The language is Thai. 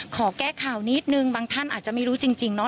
ขอแก้ข่าวนิดนึงบางท่านอาจจะไม่รู้จริงเนาะ